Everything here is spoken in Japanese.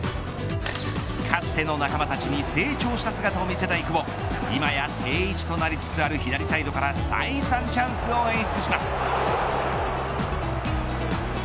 かつての仲間たちに成長した姿を見せたい久保今や定位置となりつつある左サイドから再三チャンスを演出します。